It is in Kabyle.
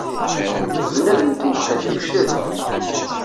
Zznad n tmekḥelt ifcel.